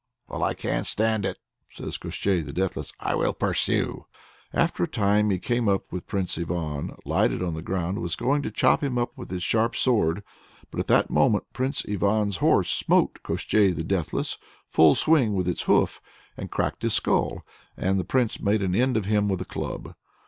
"Well, I can't stand it," says Koshchei the Deathless. "I will pursue." After a time he came up with Prince Ivan, lighted on the ground, and was going to chop him up with his sharp sword. But at that moment Prince Ivan's horse smote Koshchei the Deathless full swing with its hoof, and cracked his skull, and the Prince made an end of him with a club.